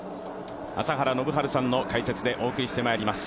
朝原宣治さんの解説でお伝えしてまいります。